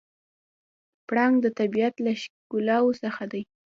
پړانګ د طبیعت له ښکلاوو څخه دی.